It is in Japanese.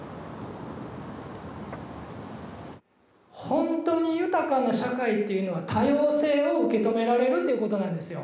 ほんとに豊かな社会っていうのは多様性を受け止められるっていうことなんですよ。